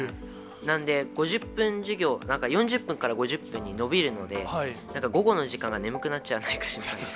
なんで、５０分授業、なんか４０分から５０分に延びるので、なんか午後の時間が眠くなっちゃわないか心配です。